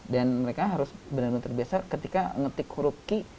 dan mereka harus benar benar terbiasa ketika mengetik huruf ki